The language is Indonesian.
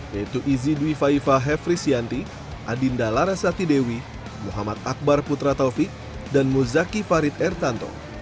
yaitu izi dwi faifa hefri sianti adinda larasati dewi muhammad akbar putra taufik dan muzaki farid ertanto